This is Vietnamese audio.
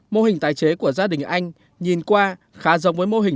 mô hình tái chế của gia đình anh nhìn qua khá giống với mô hình